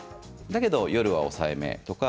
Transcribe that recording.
だけど夜は抑えめとか。